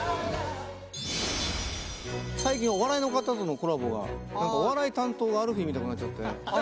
最近、お笑いの方とのコラボがお笑い担当がアルフィーみたくなっちゃって。